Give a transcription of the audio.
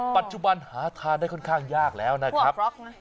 ปัจจุบันหาทานได้ค่อนข้างยากแล้วนะครับ